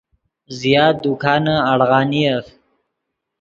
زیات دکانے اڑغانیف